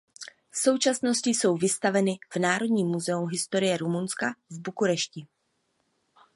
V současnosti jsou vystaveny v Národním muzeu historie Rumunska v Bukurešti.